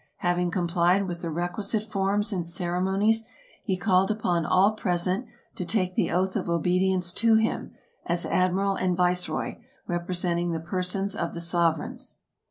Hav ing complied with the requisite forms and ceremonies, he called upon all present to take the oath of obedience to him, as admiral and viceroy, representing the persons of the sovereigns.